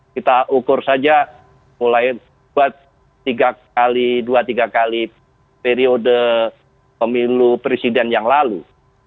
kita ukur saja mulai buat tiga kali dua tiga kali periode pemilu presiden yang lalu